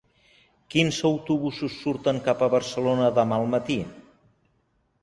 Quins autobusos surten cap a Barcelona demà al matí?